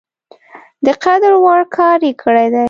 د قدر وړ کار یې کړی دی.